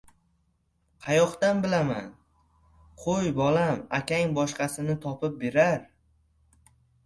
— Qayoqdan bilaman. Qo‘y, bolam, akang boshqasini topib berar.